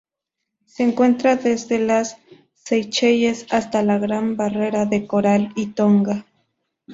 Se encuentra desde las Seychelles hasta la Gran Barrera de Coral y Tonga.